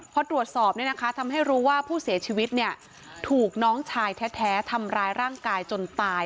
พอตรวจสอบทำให้รู้ว่าผู้เสียชีวิตถูกน้องชายแท้ทำร้ายร่างกายจนตาย